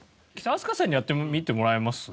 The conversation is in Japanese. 飛鳥さんにやってみてもらいます？